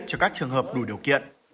cho các trường hợp đủ điều kiện